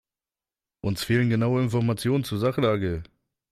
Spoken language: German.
Uns fehlen genaue Informationen zur Sachlage.